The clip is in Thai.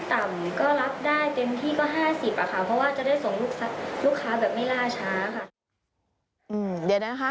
ทุเรียนหมอนทองค่ะเพราะว่ามันจะได้เนื้อเยอะแล้วก็เม็ดมันจะเล็กค่ะ